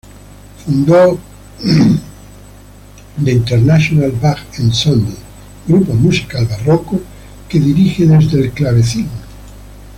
Fundó "The Internacional Bach Ensemble", grupo musical barroco que dirige desde el clavecín.